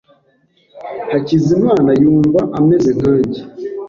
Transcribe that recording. Hakizimana yumva ameze nkanjye.